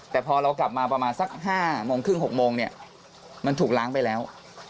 แต่พอเรากลับมาประมาณสัก๕โมงครึ่ง๖โมงเนี่ยมันถูกล้างไปแล้ว